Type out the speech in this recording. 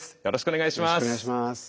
よろしくお願いします。